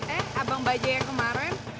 eh abang baja yang kemarin